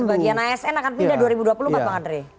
bagian asn akan pindah dua ribu dua puluh empat bang andre